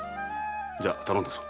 じゃあ頼んだぞ。